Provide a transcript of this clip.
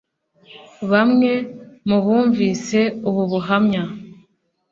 bamwe mu bumvise ubu buhamya